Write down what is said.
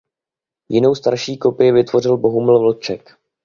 Jinou starší kopii vytvořil Bohumil Vlček.